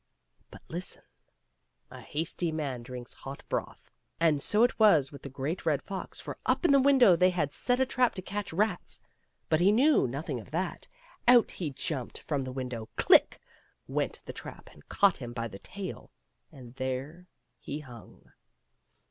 But listen ! A hasty man drinks hot broth. And so it was with the Great Red Fox, for up in the window they had set a trap to catch rats. But he knew nothing of that; out he jumped from the window — click! went the trap and caught him by the tail, and there he hung.